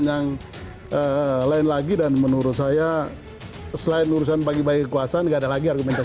dan yang lain lagi dan menurut saya selain urusan bagi bagi kekuasaan tidak ada lagi argumentasi